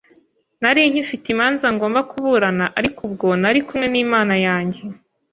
Nari nkifite imanza ngomba kuburana, ariko ubwo nari kumwe n’Imana yanjye,